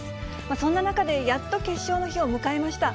そんな中でやっと決勝の日を迎えました。